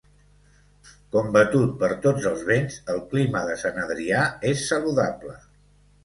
Combatut per tots els vents, el clima de Sant Adrià és saludable.